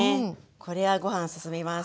これはご飯すすみます。